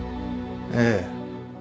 ええ